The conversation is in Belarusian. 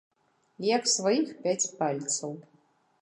Як сваіх пяць пальцаў.